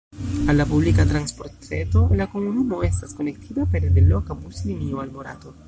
Al la publika transportreto la komunumo estas konektita pere de loka buslinio al Morato.